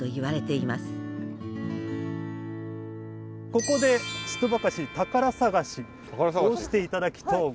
ここでちとばかし宝探しをして頂きとうござりまする。